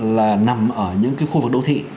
là nằm ở những khu vực đô thị